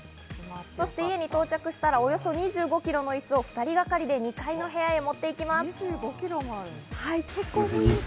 家に到着したら、およそ２５キロのイスを２人がかりで２階の部屋へ持って行きます。